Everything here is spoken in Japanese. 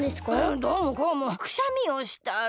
どうもこうもくしゃみをしたら。